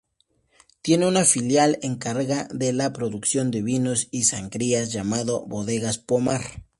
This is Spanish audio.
Tiene una filial encarga de la producción de vinos y sangrías llamado Bodegas Pomar.